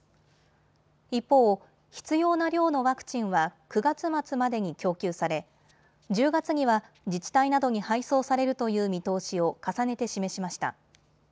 一方、必要な量のワクチンは９月末までに供給され１０月には自治体などに配送されるという見通しを重ねて示しました。